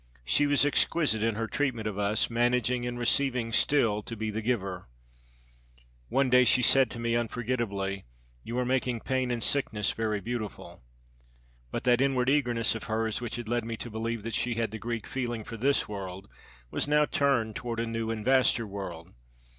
She was exquisite in her treatment of us, managing in receiving still to be the giver. One day she said to me, unforgettably, 'You are making pain and sickness very beautiful.' But that inward eagerness of hers which had led me to believe that she had the Greek feeling for this world was now turned toward a new and vaster world.